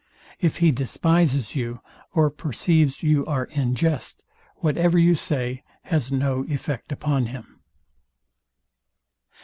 If he despises you, or perceives you are in jest, whatever you say has no effect upon him.